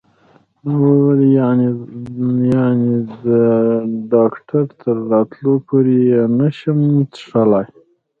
ما وویل: یعنې د ډاکټر تر راتلو پورې یې نه شم څښلای؟